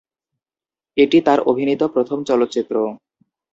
এটি তার অভিনীত প্রথম চলচ্চিত্র।